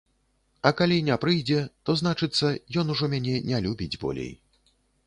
А калі не прыйдзе, то, значыцца, ён ужо мяне не любіць болей.